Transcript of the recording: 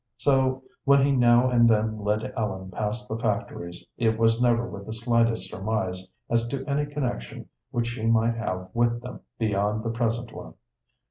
So when he now and then led Ellen past the factories it was never with the slightest surmise as to any connection which she might have with them beyond the present one.